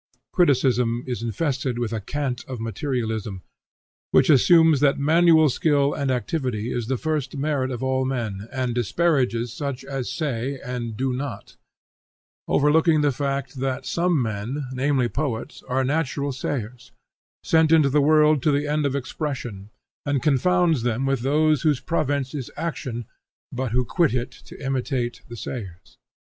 Criticism is infested with a cant of materialism, which assumes that manual skill and activity is the first merit of all men, and disparages such as say and do not, overlooking the fact that some men, namely poets, are natural sayers, sent into the world to the end of expression, and confounds them with those whose province is action but who quit it to imitate the sayers.